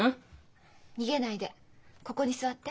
逃げないでここに座って。